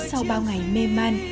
sau bao ngày mê man